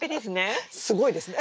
すごいですね。